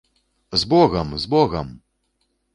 З богам, з богам!